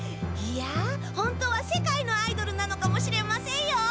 いや本当は世界のアイドルなのかもしれませんよ。